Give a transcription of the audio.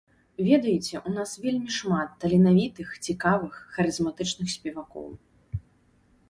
Ведаеце, у нас вельмі шмат таленавітых, цікавых, харызматычных спевакоў.